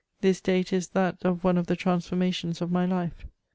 This date is that of one of the transformations of my life.